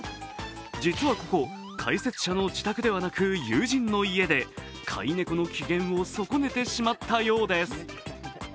実はここ、解説者の自宅ではなく友人の家で飼い猫の機嫌を損ねてしまったようです。